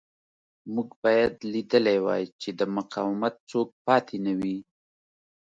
موږ باید لیدلی وای چې د مقاومت څوک پاتې نه وي